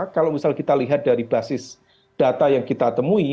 kalau misal kita lihat dari basis data yang kita temui